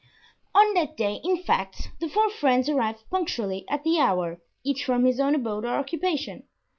On that day, in fact, the four friends arrived punctually at the hour, each from his own abode or occupation.